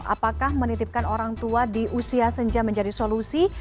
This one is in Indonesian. apakah menitipkan orang tua di usia senja menjadi solusi